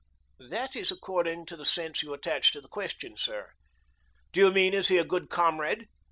"That is according to the sense you attach to the question, sir. Do you mean is he a good comrade?